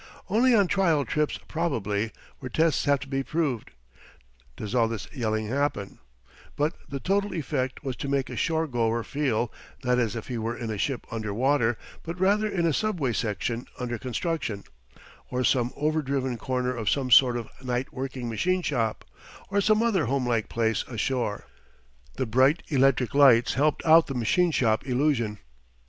Only on trial trips, probably, where tests have to be proved, does all this yelling happen; but the total effect was to make a shore goer feel, not as if he were in a ship under water, but rather in a subway section under construction, or some overdriven corner of some sort of night working machine shop, or some other homelike place ashore. The bright electric lights helped out the machine shop illusion.